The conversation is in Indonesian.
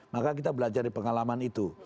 maka kita belajar dari pengalaman itu